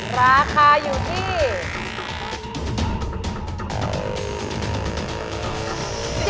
ราคาอยู่ที่